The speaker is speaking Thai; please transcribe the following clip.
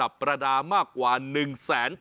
แก้ปัญหาผมร่วงล้านบาท